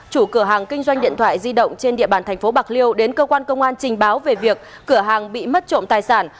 chủ cửa hàng kinh doanh điện thoại di động trên địa bàn thành phố bạc liêu đến cơ quan công an trình báo về việc cửa hàng bị mất trộm tài sản